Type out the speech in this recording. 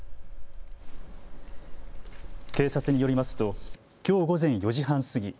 警察によりますときょう午前４時半過ぎ